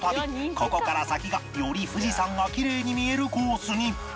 ここから先がより富士山がきれいに見えるコースに